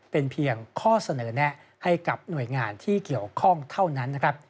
เป็นเพียงข้อเสนอแนะให้กับหน่วยงานที่เกี่ยวข้องเท่านั้นนะครับ